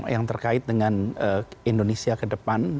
yang terkait dengan indonesia ke depan